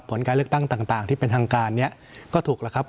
ผลการเลือกตั้งต่างที่เป็นทางการก็ถูก